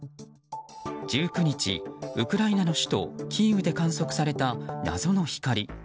１９日、ウクライナの首都キーウで観測された謎の光。